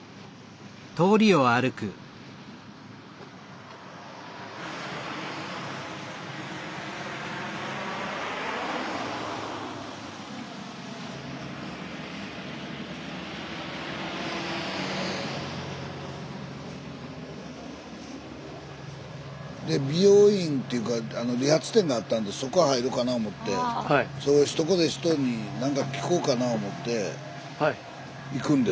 スタジオ美容院っていうか理髪店があったんでそこへ入ろうかな思ってそこで人に何か聞こうかな思って行くんですね